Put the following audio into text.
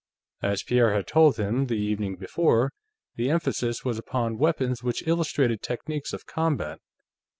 As Pierre had told him the evening before, the emphasis was upon weapons which illustrated techniques of combat.